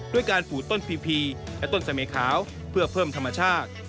ด้วยการปลูกต้นพีพีและต้นเสมขาวเพื่อเพิ่มธรรมชาติ